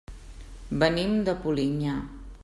Venim de Polinyà.